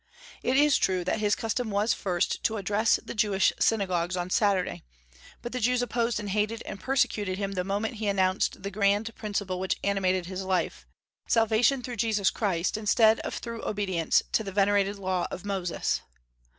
It is true that his custom was first to address the Jewish synagogues on Saturday, but the Jews opposed and hated and persecuted him the moment he announced the grand principle which animated his life, salvation through Jesus Christ, instead of through obedience to the venerated Law of Moses.